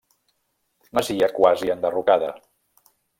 Masia quasi enderrocada.